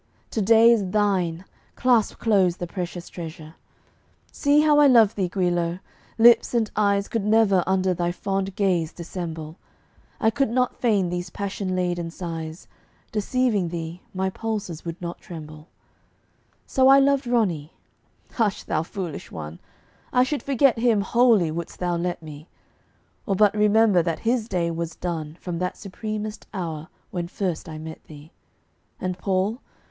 To day is thine; clasp close the precious treasure. See how I love thee, Guilo! Lips and eyes Could never under thy fond gaze dissemble. I could not feign these passion laden sighs; Deceiving thee, my pulses would not tremble. "So I loved Romney." Hush, thou foolish one I should forget him wholly wouldst thou let me; Or but remember that his day was done From that supremest hour when first I met thee. "And Paul?"